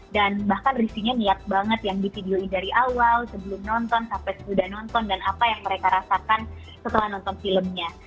dan bahkan reviewnya niat banget yang di videoin dari awal sebelum nonton sampai sudah nonton dan apa yang mereka rasakan setelah nonton filmnya